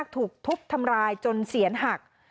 ถูกทุบทำร้ายจนเสียนหัก